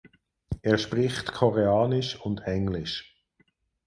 Er spricht Koreanisch und Englisch.